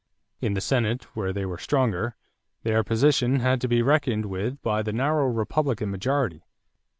In the Senate, where they were stronger, their position had to be reckoned with by the narrow Republican majority.